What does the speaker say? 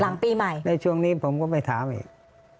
หลังปีใหม่ในช่วงนี้ผมก็ไปถามอีก